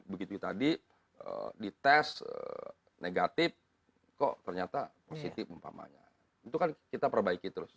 begitu tadi dites negatif kok ternyata positif umpamanya itu kan kita perbaiki terus